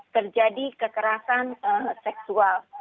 terjadi kekerasan seksual